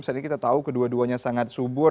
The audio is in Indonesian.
sebenarnya kita tahu kedua duanya sangat subur